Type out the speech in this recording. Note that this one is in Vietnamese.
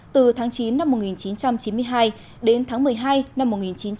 từ tháng chín năm một nghìn chín trăm chín mươi bảy